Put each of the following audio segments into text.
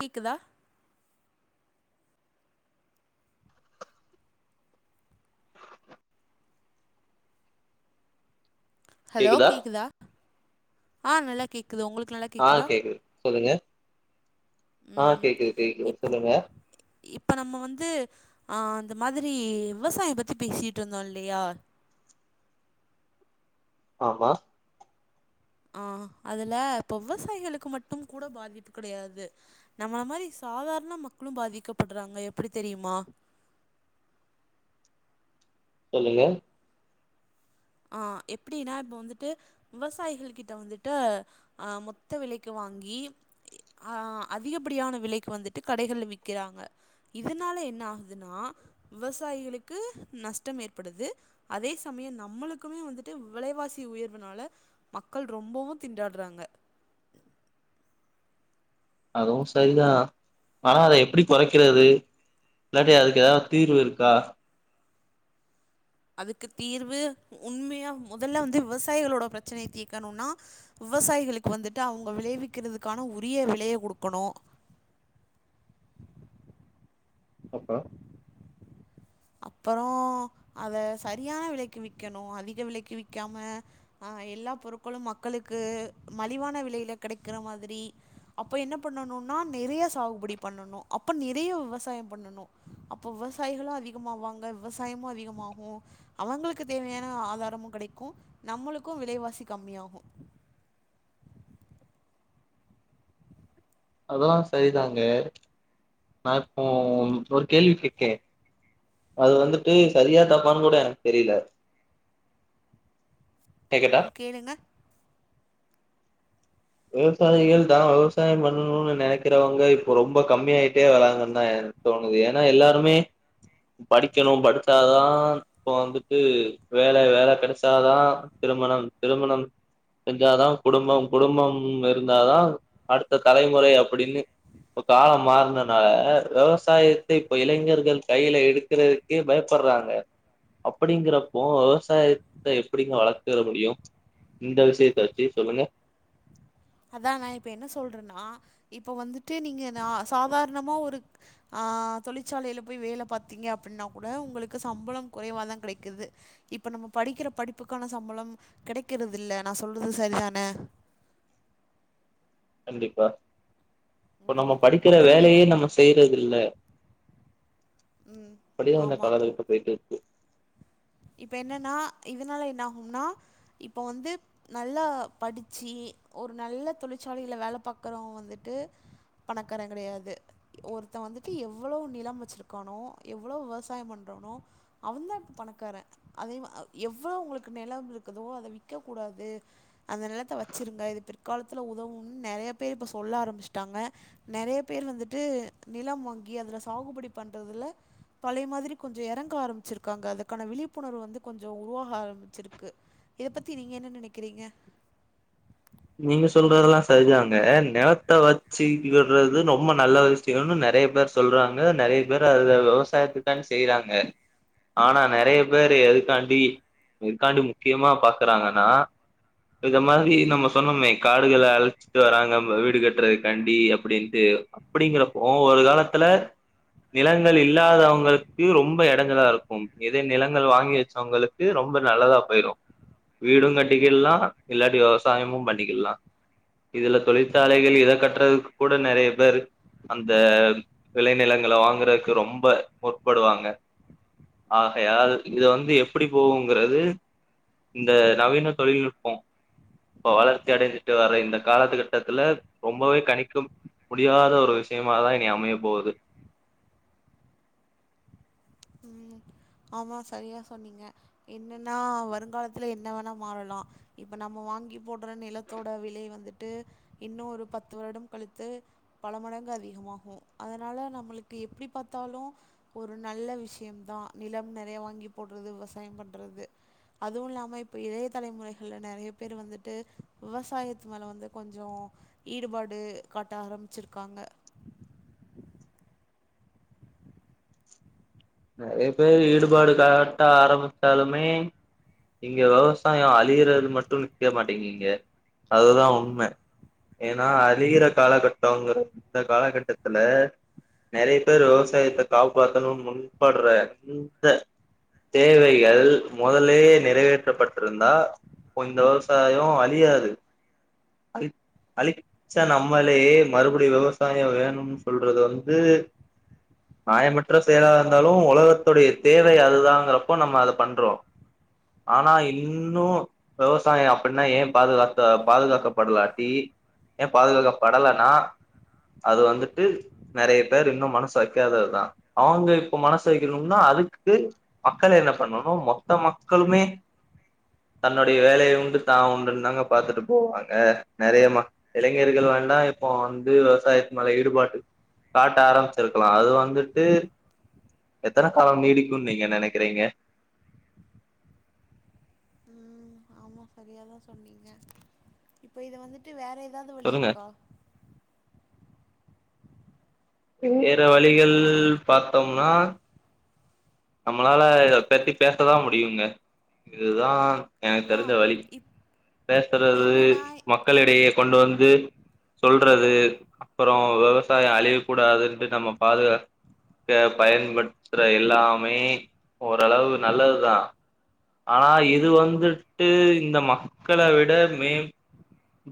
கேக்குதா ஹலோ கேக்குதா ஆ நல்லா கேக்கு ஆ கேக்குது சொல்லுங்க ஆ ம் கேக்குது கேக்குது இப் சொல்லுங்க இப்ப நம்ம வந்து ஆ இந்த மாதிரி விவசாயம் பத்தி பேசிட்ருந்தோ இல்லையா ஆமா ஆ அதுல இப்ப விவசாயிகளுக்கு மட்டும் கூட பாதிப்பு கெடையாது நம்மள மாரி சாதாரண மக்களு பாதிக்கப்படுறாங்க எப்டி தெரியுமா சொல்லுங்க ஆ எப்டின்னா இப்ப வந்துட்டு விவசாயிகள் கிட்ட வந்துட்டு ஆ மொத்த விலைக்கு வா ங்கி ஆ அதிகப்படியான விலைக்கு வந்துட்டு கடைகள்ல விக்கிறாங்க இதுனால என்ன ஆகுதுன்னா விவசாயிகளுக்கு நஷ்டம் ஏற்படுது அதே சமயம் நம்மளுக் குமே வந்துட்டு விலைவாசி உயர்வுனால மக்கள் ரொம்பவு திண்டாடுறாங்க அதுவு சரிதா ஆனா அத எப்டி கொறைக்கிறது இல்லாட்டி அதுக்கு ஏதாவது தீர்வு இருக்கா அதுக்கு தீர்வு உண்மையா மொதல்ல வந்து விவசாயிகளோட பிரச்சனைய தீர்க்கணுன்னா விவசாயிகளுக்கு வந்துட்டு அவுங்க விளைவிக்கிறதுக்கான உரிய விலைய குடுக்கணு அப்பறோ அப்பறோ அத சரியான விலைக்கு விக்கணு அதிக விலைக்கு விக்காம ஆ எல்லா பொருட்களும் மக்களுக்கு மலிவான விலைல கெடைக்கிற மாதிரி அப்ப என்ன பண்ணனு ன்னா நெறையா சாகுபடி பண்ணணு அப்ப நெறையா விவசாயம் பண்ணணு அப்ப விவசாயிகளு அதிக மாவாங்க விவசாயமு அதிகமாகு அவங்களுக்கு தேவையான ஆதாரமு கெடைக்கு நம்மளுக்கு விலைவாசி கம்மி ஆகு அதெல்லா சரிதாங்க நா இப்போ ஒரு கேள்வி கேக்கே அது வந்துட்டு சரியா தப்பான்னு கூட எனக்கு தெரில ம் கேளுங்க விவசாயிகள்தா விவசாயம் பண்ணணுன்னு நெனைக்கிறவங்க இப்ப ரொம்ப கம்மியாயிட்டே வராங்கன்தா எனக்கு தோணுது ஏன்னா எல்லாருமே படிக்கணு படிச்சாதா இப்ப வந்துட்டு வேலை வேலை கெடைச்சாதா திருமணம் திருமணம் செஞ்சாதா குடும்பம் குடும்பம் ம் இருந்தாதா அடுத்த தலைமுறை அப்டின்னு இப்ப காலம் மாறுனனால விவசாயத்தை இப்ப இளைஞர்கள் கையில எடுக்குறதுக்கே பயப்ப ட்றாங்க அப்டிங்கிறப்போ விவசாயத்த எப்டிங்க வளர்த்துற முடியு இந்த விஷயத்த வச்சி சொல்லுங்க அதா நா இப்ப என்ன சொல்றனா இப்பொ வந்துட்டு நீங்க நா சாதார்ணமா ஒரு அ ஆ தொழிற்சாலையில போய் வேல பாத்தீங்க அப்பின்னா கூட உங்களுக்கு சம்பளம் குறைவா தா கிடைக்கிது இப் இப்ப நம்ம படிக்கிற படிப்புக்கான சம்பளம் கெடைக்கிறதில்ல நா சொல்றது சரிதான கண்டிப்பா இப்ப நம்ம படிக்கிற அப்படி இரு வேலையே நம்ம செய்றதில்ல அப்படிதா இந்த காலங்கள் இப்ப போயிட்ரு இப்ப என்னன்னா இதுனால என்னாஹும்னா இப்பொ வந்து நல்லா படிச்சீ ஒரு நல்ல தொழிற்சாலையில வேல பாக்குறவ வந்துட்டு பணக்காரங் கடையாது ஒருத்த வந்துட்டு எவ்வளோ நிலம் வச்சிருக்கானோ எவ்வளோ விவசாயம் பண்றானோ அவந்தா இப்ப பணக்கார அதே வ அ எவ்வளோ உங்களுக்கு நெலம் இருக்குதோ அத விக்கெக் கூடாது அந்த நிலத்த வச்சிருங்க அ இது பிற்காலத்துல உதவூன் நெறைய பேர் இப்ப சொல்ல ஆரம்பிஷ்ட்டாங்க நெறைய பேர் வந்துட்டு நில லம் வாங்கி அதுல சாகுபடி பண்றதுல பழைய மாதிரி கொஞ்சொ எறங்க ஆரம்பிச்சிருக்காங்க அதுக்கான விழிப் புணர்வு வந்து கொஞ்சொ உருவாஹ ஆரம்பிச்சிருக்கு இதப் பத்தி நீங்க என்ன நெனைக்கிறீங்க நீங்க சொல்றதெல்லா சரிதாங்க நெலத்த வச்சிக்கிறது வந்து நொம்ப நல்ல விஷ்யோனு ந றைய பேர் சொல்றாங்க நறைய பேர் அத வ விவசாயத்துக்காண் செய்றாங்க ஆனா நறைய பேரு எதுக்காண்டி எதுக்காண்டி முக்கியமா பாக்குறாங்கனா இத மாரி நம்ம சொன்னோமே காடுகள அழிச்சிட்டு வராங்க ம வீடு கட்றதுக்காண்டி அப்டின்ட்டு அப்டிங்கிறப்போ ஒ ஒரு காலத்துல நிலங்கள் இல்லாதவங்களுக்கு ரொம்ப எடஞ்சலா இருக்கும் இதே நிலங்கள் வாங்கி வெச்சவங்களுக்கு ரொம் ரொம்ப நல்லதா போயிரு வீடு கட்டிக்கிட்லா இல்லாட்டி வெவசாயமும் பண்ணிக்கிட்லா இதுல தொழிற்சாலைகள் இத கட்றதுக் கூட நறைய பேரு அந்த விளைநிலங்கள வாங்குறக்கு ரொம்ப முற்படுவாங்க ஆஹையால் இத வந்து எப்புடி போவுங்குறது இந்த நவீன தொழில்நுட்பொ இப்ப வளர்ச்சி அடைஞ்சிட்டு வர்ற இந்த காலத்துக் கட்டத்துல ரொம்பவே கணிக்க முடியாத ஒரு விஷயமா தா இனி அமையப் போவுது ம் ஆமா சரியா சொன்னீங்க என்னன்னா வருங்காலத்துல என்ன வேணா மாறலா இப்ப நம்ம வா வாங்கி போட்ற நிலத்தோட விலை வந்துட்டு இன்னு ஒரு பத்து வருடம் கழித்து பல மடங்கு அ அதிகமாஹு அதனால நம்பளுக்கு எப்டி பாத்தாலு ஒரு நல்ல விஷ் யந்தா நிலம் நறைய வாங்கி போட்றது விவசாயம் பண்றது அதுவு இல்லாம இப்ப இளைய தலைமுறைகள்ல நறைய பேரு வந்துட்டு விவசாயத்து மேல வந்து கொஞ்சோ ஈடுபாடு காட்ட ஆரம்பிச்சிருக்காங்க நறைய பேரு ஈடுபாடு காட்ட ஆரம்பிச்சாலுமே இங்க விவசாயம் அழியிறது மட்டு நிக்க மாட்டீங்கீங்க அதுதா உண்ம ஏன்னா அழியிற காலக்கட்டோங்குற இந்த காலக்கட்டத்துல நறைய பேர் விவசாயத்த காப்பாத்தணும் முன்பட்ற இந்த தேவைகள் மொதல்லயே நிறைவேற்றப்பட்ருந்தா இந்த விவசாயோ அழியாது அழித் அழிச்ச நம்மளேயே மறுப்டியு விவசாயொ வேணும்னு சொல்றது வந்து நாயமற்ற செயலாதா இருந்தாலு ஒலகத்தோடைய தேவை அதுதாங்குறப்போ நம்ம அதப் பண்றோ ஆனா இன்னு வெவசாயொ அப்புன்னா ஏ பாதுகாத்த பாதுகாக்கப்பட்லாட்டீ ஏ பாதுகாக்கப்படலனா அது வந்துட்டு நறைய பேர் இன்னு மனசு வெக்காததுதா அவங்க இ ப்போ மனசு வெக்கணும்னா அதுக்கு மக்கள் என்ன பண்ணனு மொத்த மக்களுமே தன்னோடைய வேலை உண்டு தா உண்டுன் தாங்க பாத்துட்டு போவாங்க நறைய மக் இளைஞர்கள் வ [unintelligible] இப்போ வந்து விவசாயத்து மேல ஈடுபாட்டு காட்ட ஆரம்பிச்சிருக்லா அது வந்துட்டு எத்தன காலம் நீடிக்குன் நீங்க நெனைக்கிறீங்க ம் ஆமா சரியாதா சொன்னீங்க இப்ப இத வந்துட்டு வேற ஏதாது வழி சொல்லுங்க இருக்கா வேற வழிகள் பாத்தம்னா நம்மளால இத பெத்தி பேசதா முடியுங்க இதுதா எனக்கு அதா தெரிஞ்ச வழி இப் பேசுறது என்னன்னா மக்களிடையே கொண்டு வந்து சொல்றது அப்றோ விவசாயோ அழிய கூடாதுன்ட்டு நம்ம பாதுகா க்க பயன்படுத்திற எல்லாமே ஓர்ளவு நல்லதுதா ஆனா இது வந்துட்டு இந்த மக்கள விட மேம்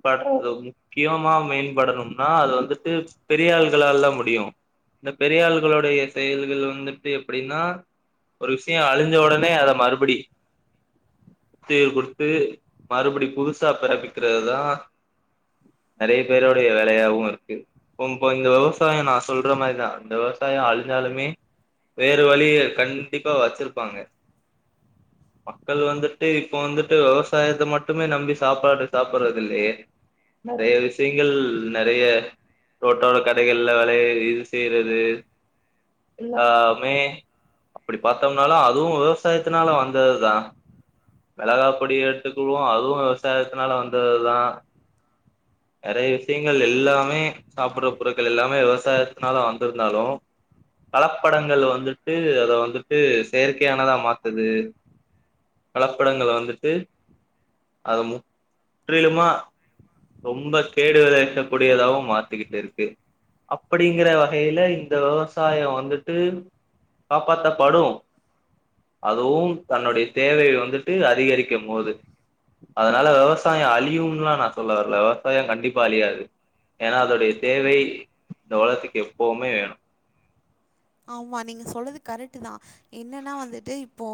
படறது முக்கியமா மேம்படணும்னா அது வந்துட்டு பெரிய ஆள்களால முடியு இந்த பெரியாள்களுடைய செயல்கள் வந்துட்டு எப்டின்னா ஒரு விஷ்யோ அழிஞ்ச உடனே அத மறுபடி தீர்வ் குடுத்து மறுபடி புதுசா பிறப்பிக்கிறதுதா நெறைய பேருடைய வேலையாவு இருக்கு இப்ப இந்த விவசாயோ நா சொல்ற மாரிதா இந்த விவசாயோ அழிஞ்சா லுமே வேறு வழிய கண்டிப்பா வெச்சிருப்பாங்க மக்கள் வந்துட்டு இப்ப வந்துட்டு விவசாயத்த மட்டுமே நம்பி சாப்பாடு சாப்பட்றதில்லயே நெறைய விஷ்யங்கள் நெறைய ரோட்டோர கடைகள்ல வெளய இது செய்யறது எல்லாமே அப்டி பாத்தம்னாலு அதுவு விவசாயத்னால வந்ததுதா மிளகா பொடி எடுத்துக்குவோ அதுவு விவசாயத்னால வந்ததுதா நெறைய விஷயங்கள் எல்லாமே சாப்பட்ற பொருட்கள் எல்லாமே விவசாயத்னால வந்திருந்தாலு கலப்படங்கள் வந்துட்டு அத வந்துட்டு செயற்கையானதா மாத்துது கலப்படங்கள வந்துட்டு அத முற்றிலுமா ரொம்ப கேடு விளைவிக்க கூடியதாவு மாத்திக்கிட்டுருக்கு அப்படிங்கற வகையில இந்த விவசாயோ வந்துட்டு காப்பாத்தப்படு அதுவு தன்னுடைய தேவைய வந்துட்டு அதிகரிக்கும்போது அதனால விவசாயோ அழியும்லா நா சொல்ல வரல விவசாயோ கண்டிப்பா அழியாது ஏனா அதோடைய தேவை இந்த ஒலகத்க்கு எப்போமே வேணு ஆமா நீங்க சொல்றது கரெக்ட்டு தா என்னன்னா வந்துட்டு இப்போ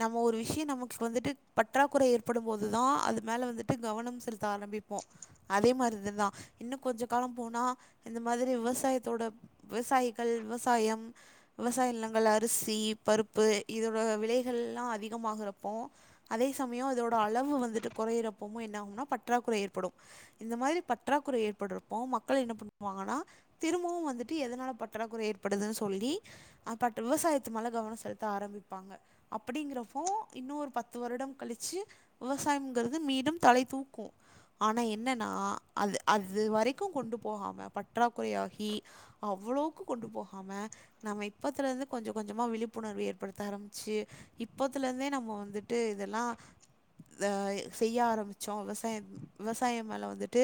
நம்ம ஒரு விஷயோ நமக்கு வந் துட்டு பற்றாக்குறை ஏற்படும் போது தா அது மேல வந்துட்டு கவனம் செலுத்த ஆரம்பிப்போ அதே மாரி தா இன்னு கொஞ்ச காலம் போனா இந்த மாத்ரி விவசாயத்தோட விவசாயிகள் விவசாயம் விவசாய நிலங்கள் அரிசி பருப்பு இதோட விலைகள்ல்லா அதிகமாகறப்போ அதே சமயோ அதோட அளவு வந்துட்டு கொறையிறப்பமு என்னாகுனா பற்றாக்குறை ஏற்படு இந்த மாரி பற்றா க்குறை ஏற்பட்றப்போ மக்கள் என்ன பண்ணுவாங்கனா திரும்பவு வந்துட்டு எதனால பற்றாக்குறை ஏற்படுது சொ ல்லி ஆ பட் விவசாயத்து மேல கவனோ செலுத்த ஆரம்பிப்பாங்க அப்படிங்கிறப்போ இன்னொரு ப த்து வருடம் கழிச்சி விவசாயம்ங்கிறது மீண்டும் தலை தூக்கு ஆனா என்னன்னா அது அது வரைக்கு கொண்டு போகாம பற்றாக்குறை ஆகி அவ்ளோக்கு கொண்டு போகாம நம்ம இப்பத்துலருந்து கொஞ்ச கொஞ்சமா விழிப்புணர்வு ஏற்படுத்த ஆரம்பிச்சி இப்பத்துருந்தே நம்ம வந்துட் டு இதெல்லா த செய்ய ஆரம்பிச்சோ விவசாய விவசாயம் மேல வந்துட்டு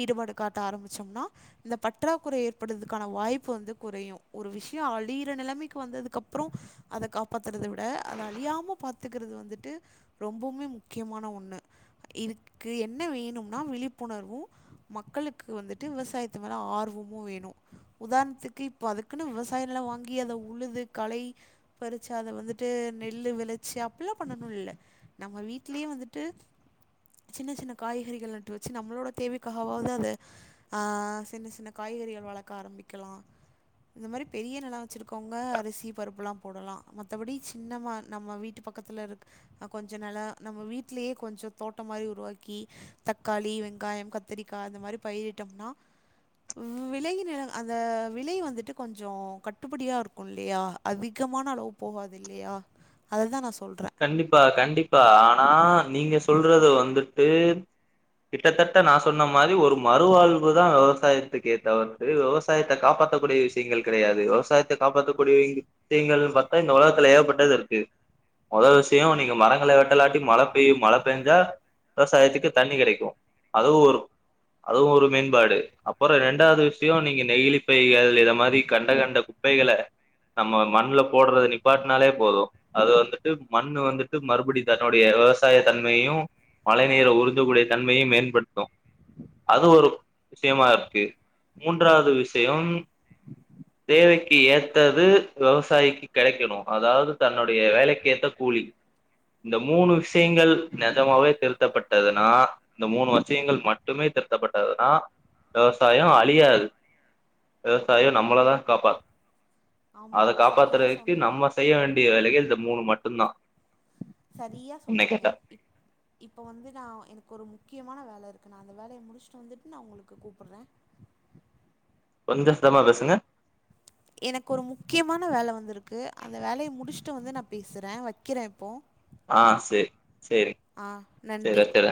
ஈடுபாடு காட்ட ஆரம்பிச்ச ம்னா இந்த பற்றாக்குறை ஏற்பட்றதுகான வாய்ப்பு வந்து குறையு ஒரு விஷ் யோ அழியிற நெலமைக்கு வந்ததுக்கப்றோ அத காப்பாத்துறத விட அத அழியாம பாத்துக்கிறது வந்துட்டு ரொம்பவ்மே முக்கியமான ஒன்னு இதுக்கு என்ன வேணும்னா விழிப்புணர்வு மக்களுக்கு வந்துட்டு விவசாயத்து மேல ஆர்வமு வேணு உதாரணத்துக்கு இப்ப அதுக்குன்னு விவ சாயோ நெலோ வாங்கி அத உழுது களை பறிச்சி அத வந்துட்டு நெல் விளைச்சி அப்டிலா பண்ணணு இல்ல நம்ம வீட்லியே வந்துட்டு சின்ன சின்ன காய்கறிகள் நட்டு வச்சு நம்மளோட தேவைக்காகாவது அத ஆ சின்ன சின்ன காய் கறிகள் வளக்க ஆரம்பிக்கலா இந்த மாரி பெரிய நெல வச்சுருக்கவுங்க அரிசி பருப்பெல்லா போடலா மத்தபடி சின்னமா நம்ம வீட்டு பக்கத்துல இருக் ஆ கொஞ்ச நாளா நம்ம வீட்லயே கொஞ்ச தோட்ட மாரி உருவாக்கி தக்காளி வெங்காயம் கத் திரிக்கா அந்த மாரி பயிரிட்டோம்னா விலை நிலங் அந்த விலை வந்துட்டு கொஞ் கொஞ்ச கட்டுப்படியா இருக்கு இல்லையா அதிகமான அளவு போவாது இல்லையா அததா நா சொன் கண்டிப்பா கண்டிப்பா ஆனா நீங்க சொல்றது வந்துட்டு கிட்டத்தட்ட நா சொன்ன மாரி ஒரு மறுவாழ்வுதா விவசாயத்துக்கே தவிர்த்து விவசாயத்த காப்பா காப்பாத்தக்கூடிய விஷயங்கள் கெடையாது விவசாயத்த காப்பாத்தக்கூடிய விஷயங்கள்னு பாத்தா இந்த உலகத்துல ஏகப்பட்டது இருக்கு மொதோ விஷய நீங்க மரங்கள வெட்டலாட்டி மழ பெய்யும் மழ பேஞ்சா விவசாயத்துக்கு தண்ணி கெடைக்கு அதுவு ஒரு அதுவு ஒரு மேம்பாடு அப்புற ரெண்டாவது விஷயம் நீங்க நெயிலிப்பைகள் இத மாரி கண்ட கண்ட ப்பைகள நம்ம மண்ல போட்றது நிப்பாட்னாலே போது அது வந்து ட்டு மண்ணு வந்துட்டு மறுபடி தன்னுடைய விவசாய தன்மையையு மழை நீர உறிஞ்சக்கூடிய தன்மைய மேம்படுத்தும் அது ஒரு விஷயமா இருக்கு மூன்றாது விஷயம் தேவைக்கு ஏத்தது விவசாயிக்கு கெடைக்கணு அதாவது தன்னுடைய வேலைக் க்கேத்த கூலி இந்த மூணு விஷியங்கள் நெஜமாவே திருத்தப்பட்டதுனா இந்த மூணு விஷயங்கள் மட்டுமே தத்தப்பட்டதுனா விவசாய அழியாது விவசாயம் நம்மளதா காப்பாத் அத ஆமாம் சரியாக காப்பாத்துறதுக்கு சொன்னீங்க நம்ம செய்ய வேண்டிய வேலைகள் இந்த மூணு மட்டுந்தா சரியா என்ன சொன்னீங்க கேட்டா இப் இப்ப வந்து நா எனக்கு ஒரு மு முக்கியமான வேல இருக்கு நா அந்த வேலைய முடிச்சுட்டு வந்துட்டு நா உங்களுக்கு கூப்புட்ற கொஞ்ச சத்தமா பேசுங்க எனக்கு ஒரு முக்கியமான வேல வந்துரு க்கு அந்த வேலைய முடிச்சுட்டு வந்து நா பேசுற வக்கிற இப்போ ஆ சேரி சேரி ஆ சேரி நன்றி வச்சிற